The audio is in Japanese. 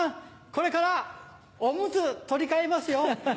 これからオムツ取り換えますよ。